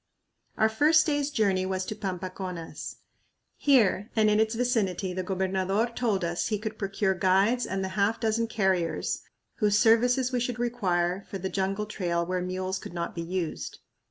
Our first day's journey was to Pampaconas. Here and in its vicinity the gobernador told us he could procure guides and the half dozen carriers whose services we should require for the jungle trail where mules could not be used.